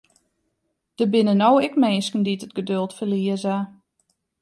Der binne no ek minsken dy't it geduld ferlieze.